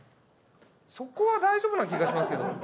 そこは大丈夫な気がしますけど。